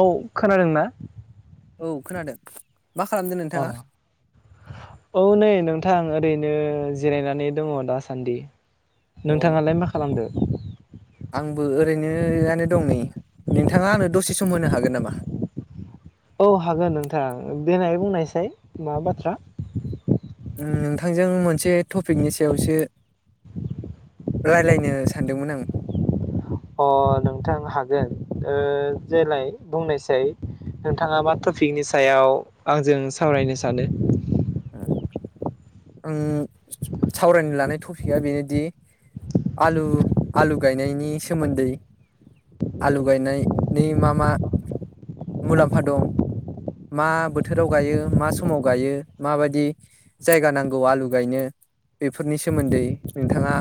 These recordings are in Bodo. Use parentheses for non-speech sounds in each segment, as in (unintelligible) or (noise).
औ औ खोनादोंना? औ खोनादों। मा खालामदों अ नोंथाङा औ नै नों थां ओरैनो जिरायनानै दङ दासान्दि अ नोंथाङालाय मा खालामदो? आंबो ओरैनोनो दं नै नोंथाङा आंनो दसे सम होनो हागोन नामा? औ हागोन नोंथां देनाय बुंनायसाय मा बाथ्रा? नोंथांजों मोनसे टपिकनि सायावसो रायलायनो सानदोंमोन आं अ नोंथां हागोन जेलाय बुंनायसै नोंथाङा मा टपिकनि सायाव आंजों सावरायनो सानो। आं सावरायनो लानाय टपिकआ बेनोदि आलु आलु गायनायनि सोमोन्दै आलु गायनायनि मा मा मुलाम्फा दं मा बोथोराव गायो मा समाव गायो माबायदि जायगा नांगौ आलु गायनो बेफोरनि सोमोन्दै नोंथाङा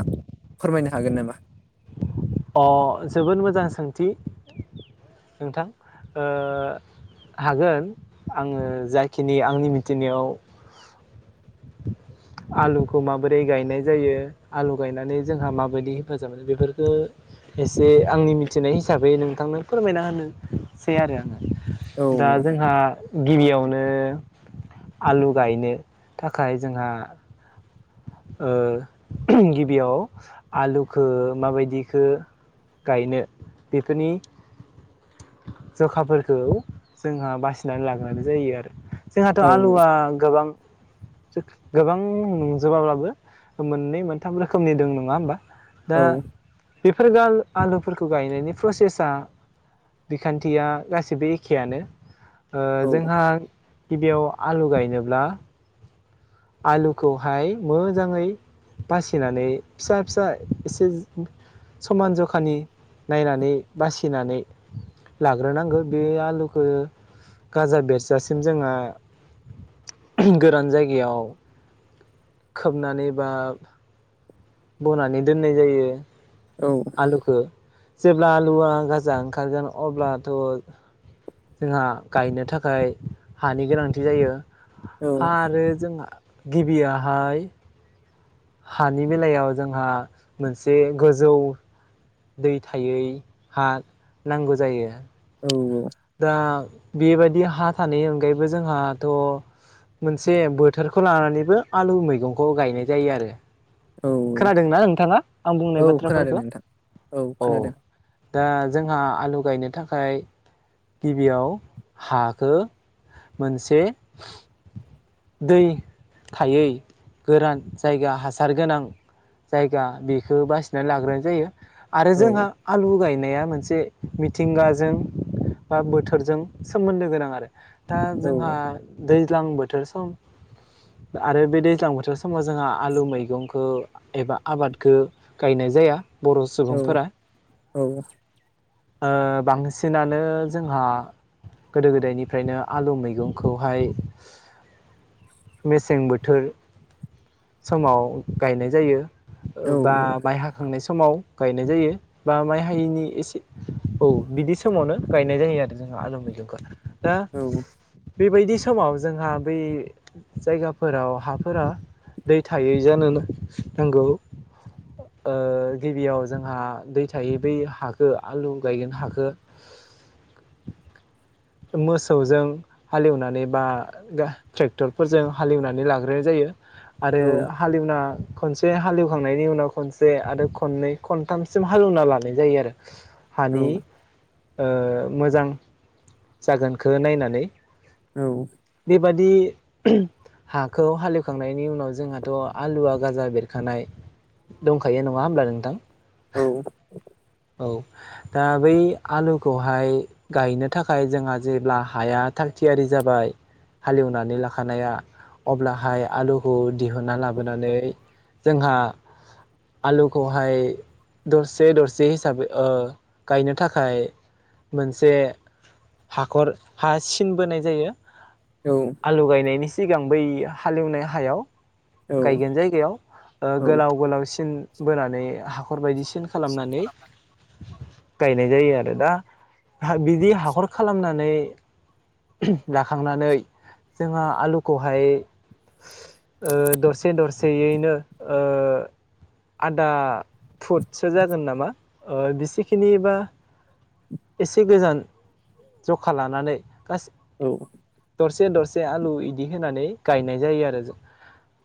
फोरमायनो हागोन नामा? अ जोबोद मोजां सोंथि नोंथां हागोन आङो जाखिनि अ जोबोद मोजां सोंथि नोंथां हागोन आङो जाखिनि आंनि मिथिनायाव आलुखौ माबोरै गायनाय जायो आलु गायनानै जोंहा माबायदि हेफाजाब मोनो बेफोरखौ एसे आंनि मिथिनाय हिसाबै नोंथांनो फोरमायना होनोसै आरो। औ दा जोंहा गिबियावनो आलु गायनो थाखाय जोंहा गिबियाव आलुखौ माबायदिखौ गायनो बेफोरनि जखाफोरखौ जोंहा बासिनानै लाग्रोनाय जायो आरो। जोंहाथ' औ आलुआ गोबां गोबां जोबाब्लाबो मोननै मोनथाम रोखोमनि दं नङा होमबा? औ दा बेफोर आलुफोरखौ गायनायनि प्रसेसा बिखान्थिया गासिबो एखेयानो ओ औ जोंहा गिबियाव आलु गायनोब्ला आलुखौहाय मोजाङै बासिनानै फिसा फिसा एसे समान जखानि नायनानै बासिनानै लाग्रोनांगौ बे आलुखौ गाजा बेरजासिम जोंहा गोरान जायगायाव (inaudible) खोबनानै बा बनानै दोननाय जायो। औ आलुखौ जेब्ला आलुआ गाजा ओंखारगोन अब्लाथ' जोंहा गायनो थाखाय हानि गोनांथि जायो। हा औ आरो जोंहा गिबि आहाय हानि बेलायाव जोंहा मोनसे गोजौ दै थायै हा नांगौ जायो। औ औ दा बेबायादि हा थानायनि अनगायैबो जोंहाथ' मोनसे बोथोरखौ लानानैबो आलु मैगंखौ गायनाय जायो आरो औ खोनादोंना नोंथाङा आं औ बुंनाय खोनादों बाथ्राफोरखौ नोंथां औ दा जोंहा आलु गायनो थाखाय गिबियाव हाखौ मोनसे दै थायै गोरान जायगा हासार गोनां जायगा बेखौ बासिनानै लाग्रोनाय जायो आरो जोंहा औ आलु गायब नेआ मोनसे मिथिंगाजों बा बोथोरजों सोमोन्दो गोनां आरो दा औ जोंहा दै दैज्लां बोथोर सम आरो बे दैज्लां बोथोर समाव जोंहा आलु मैगंखौ एबा आबादखौ गायनाय जाया बर' औ सुबुंफोरा औ ओ बांसिनानो जोंहा गोदो गोदायनिफ्रायनो आलु मैगंखौहाय मेसें बोथोर समाव गायनाय जायो औ बा माइ हाखांनाय सम समाव गायनाय जायो बा माइ हायिनि एसे औ बिदि समावनो गायनाय जायो आरो जोंहा आलु मैगंखौ दा औ बेबायदि समाव जोंहा बै जायगाफोराव हाफोरा दै थायै जानो नांगौ ओ गिबियाव जोंहा दै थायै बै हाखौ आलु गायगोन हाखौ (inaudible) मोसौजों हालेवनानै बा ट्रेक्टरफोरजों हालेवनानै लाग्रोनाय जायो आरो औ हालेवना खनसे हालेव होखांनायनि उनाव खनसे आरो खननै खनथामसिम हालेवना लानाय जायो आरो औ हानि ओ मोजां जागोनखौ नायनानै बेबादि हाखौ हालेवखांनायनि उनाव जोंहाथ' आलुवआ गाजा बेरखानाय दंखायो नङा होमब्ला नोंथां औ औ दा बै आलुखौहाय गायनो थाखाय जोंहा जेब्ला हाया थागथियारि जाबाय हालेवनानै लाखानाया अब्लाहाय आलुखौ दिहुनना लाबोनानै जोंहा आलुखौहाय दरसे दरस जे हिसाबै ओ गायनो थाखाय मोनसे हाखर हा सिन बोनाय जायो आलु गायनाय सिग सिगां बै हालेवनाय हायाव गायगोन जायगायाव ओ गोलाव गोलावसिन बोनानै हाखर बायदिसि सिन खालामनानै गायनाय जायो आरो दा बिदि हाखर खालामनानै लाखांनानै जोंहा आलुखौहाय ओ दरसे दरसेयैनो ओ आदा फुटसो जागोन नामा ओ बेसेखिनि बा एसे गोजान जखा लानानै गास औ। दरसे दरसे आलु इदि होनानै गायनाय जायो आरो ज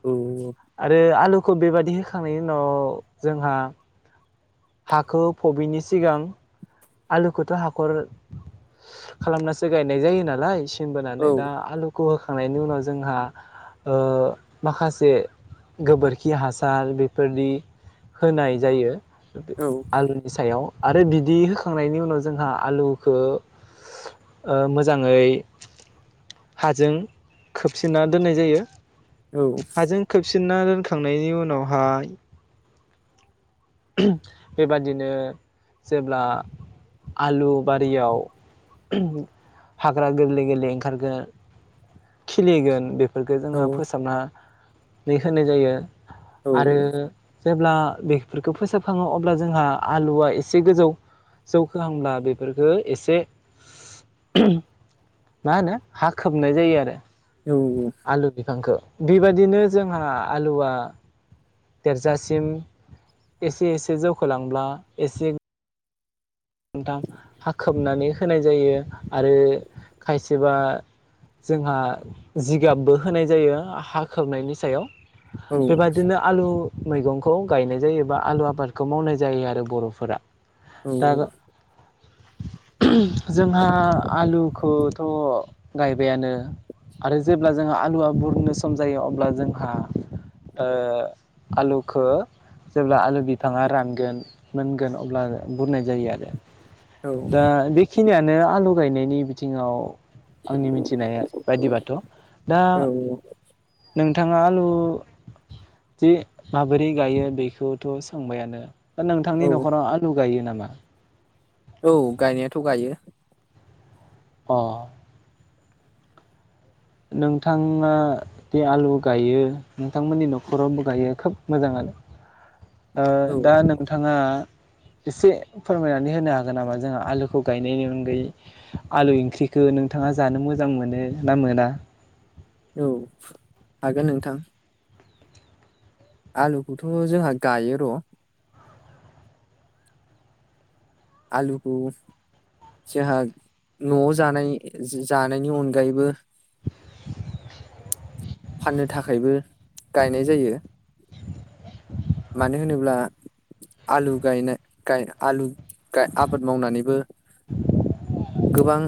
औ औ। खौ बेबायादि होखांनायनि उनाव जोंहा हाखौ फबिनि सिगां आलुखौथ' हाखर खालामनासो गायनाय जायो नालाय स बोनानै दा आलुख खौ होखांनायनि उनाव जोंहा ओ माखासे गोबोरखि हासार बेफोरदि होनाय जायो। बे औ आलुनि सायाव। आरो बिदि होख खांनायनि उनाव जोंहा आलुखौ ओ मोजाङै हाजों खोबसिनना दोननाय जायो। औ। सिनना दोनखांनायनि उनावहाय ओहोम बेबादिनो जेब्ला आलु बारियाव ओहोम हाग्रा गोरलै गोरलै ओंखारगोन खिलिगोन बेफ फोरखौ जोङा फोसाबना नै होनाय जायो। आरो जेब ब्ला बेख फोरखो फोसाबखाङो अब्ला जोंहा आलुआ एसे गोजौ जौखोहांब्ला बेफोरफोरखो एसे ओहोम मा होनो हा खोबनाय जायो आरो आलु बिफांखो। बेबायदिनो जोंहा आलुआ देरजासिम एसे एसे जौखोलांब्ला एसे खोनथाम हा खोबनानै होनाय जायो आरो खायसेबा जोंहा जिगाबबो होनाय जायो हा खोबनायनि सायाव। बेबायदिनो आलु मैगंखौ गायनाय जायोबा आलु आबादखौ मावनाय जायो आरो बर'फोरा। औ। दा (unintelligible) जोंहा आलुखौथ' गायबायानो आरो जेब्ला जोंहा आलुआ बुरनो सम जायो अब्ला जोंहा ओ आलुखो जेब्ला आलु बिफाङा रानगोन मोनगोन अब्ला बुरनाय जायो आरो। दा बेखिनियानो आलु गायनायनि बिथिङाव आंनि मिथिनाया बायदिबाथ' दा नोंथाङा आलु जि माबोरै गायो बेखौथ' सोंबायानो दा नोंथांनि औ न'खराव आल गायो नामा? औ गायनायाथ' गायो। अ। नोंथाङा बे आलु गायो नोंथांमोननि न'खरावबो गायो खोब मोजाङानो ओ औ दा नोंथाङा एसे फोरमायनानै होनो हागोन नामा जोंहा आलुखौ गायनायनि अनगायै आलु इंख्रिखौ नोंथाङा जानो मोजां मोनो ना मोना? औ हागोन नोंथां। आलुखौथ' जोंहा गायो र' आलुखौ जोंहा न'आव जानाय जानायनि अनगायैबो (inaudible) फाननो थाखायबो गायनाय जायो। मानो होनोब्ला आलु गायनाय गाय आलु गाय आबाद मावनानैबो गोबां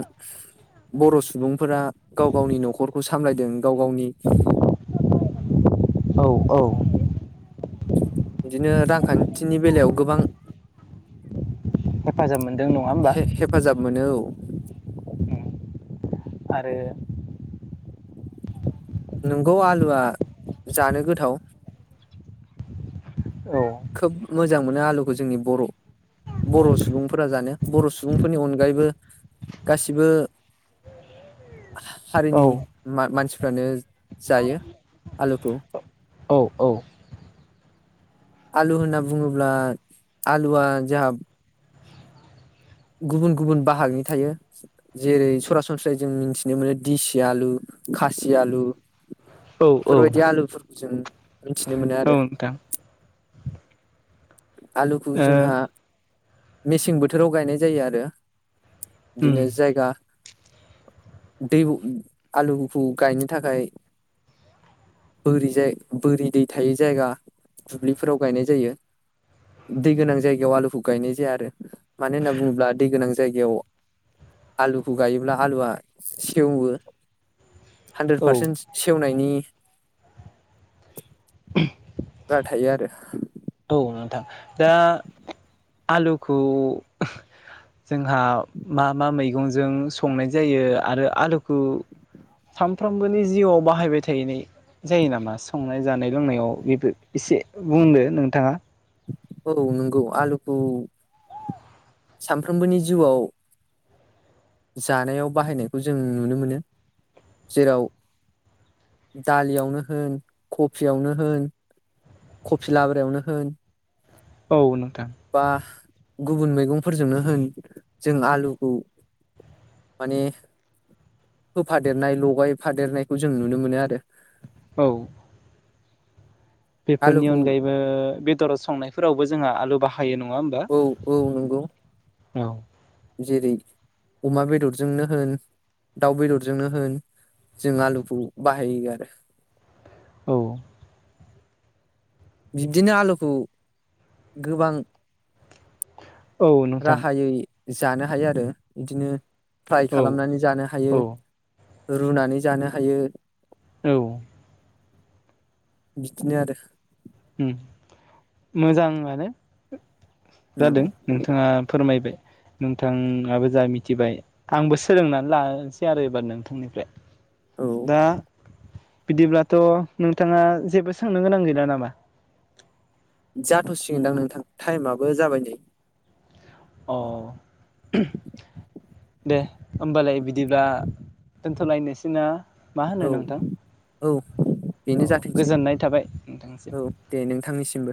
बर' सुबुंफोरा गाव गावनि न'खरखौ सामलायदों गाव गावनि (inaudible) औ औ। बिदिनो रांखान्थिनि बेलायाव गोबां हेफाजाब मोनदों नङा होमबा? हेफाजाब मोनो औ आरो नंगौ आलुआ जानो गोथाव औ खोब मोज मोजां मोनो आलुखौ जोंनि बर' बर' सुबुंफोरा जानो बर' सुबुंफोरनि अनगायैबो गासिबो औ हारिनि मा-मानसिफ फ्रानो जायो आलुखौ। औ औ। आलु होनना बुङोब्ला आलुआ जाहा गुबुन गुबुन बाहागनि थायो जेरै सरासनस्रायै जों मिथिनो मोनो दिसि आलु, खासि आलु औ औ फोरबादि आलुफोर जों मोनथिनो मोनो आरो नोंथां आलुखौ ओ जोंहा मेसें बोथोराव गायनाय जायो आरो उम बिदिनो जायगा दैबु आलुगुफु गायनो थाखाय बोरि जाय बोरि दै थायै जायगा दुब्लिफोराव गायनाय जायो । दै गोनां जायगायाव आलुखौ गायनाय जाया आरो मानो होनना बुङोब्ला दै गोनां जायगायाव आलुखौ गायोब्ला आलुआ सेवो हान्द्रेद औ पारसेन्ट सेवनायनि ब्रा थायो आरो औ नोंथां दा आलुखौ जोंहा मा मा मैगंजों संनाय जायो आरो आलुखौ सामफ्रोमबोनि जिउआव बाहायबाय थायनाय जायो नामा संनाय जानाय लोंनायाव बेबो एसे बुंदो नोंथाङा । औ नंगौ आलुखौ सानफ्रोमबोनि जिउआव जानायाव बाहायनायखौ जों नुनो मोनो जेराव दालियावनो होन कफियावनो होन कफि लाब्रायावनो होन औ नोंथां बा गुबुन मैगंफोरजोंनो होन जों आलुखौ माने होफादेरनाय लगायफादेरनायखौ जों नुनो मोनो आरो औ बेफोरनि आलुखौ अनगायैबो बेदराव संनायफोरावबो जोंहा आलु बाहायो नं औ औ नंगौ। औ। जेरै अमा बेदरजोंनो होन दाउ बेदरजोंनो होन जों आलुखौ बाहायो आरो। औ। बिब्दिनो आलुखौ गोबां औ नोंथां राहायै जानो हायो आरो बिदिनो फ्राय औ खालामनानै जानो हायो। औ रुनानै जानो हायो। औ। बिदिनो आरो मोजाङानो। जादों औ नोंथाङा फोरमायबाय। नोंथाङाबो जा मिथिबाय आंबो सोलोंनानै लानोसै आरो एबार नोंथांनिफ्राय। औ दा बिदिब्लाथ नोंथाङा जेबो सोंनो गोनां गैला नामा? जाथसिगोनदां नोंथां टाइमाबो जाबाय नै अ दे होमबालाय बिदिब्ला दोनथलायनोसै ना मा होनो औ नोंथां? औ बेनो औ जाथोंसै गोजोननाय थाबाय औ नोंथांसिम। दे नोंथांनिसिमबो